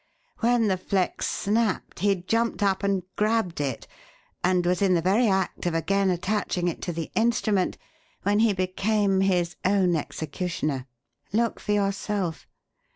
When the flex snapped he jumped up and grabbed it, and was in the very act of again attaching it to the instrument when he became his own executioner. Look for yourself.